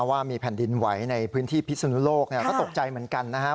ว่ามีแผ่นดินไหวในพื้นที่พิศนุโลกก็ตกใจเหมือนกันนะครับ